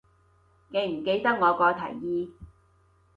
記唔記得我個提議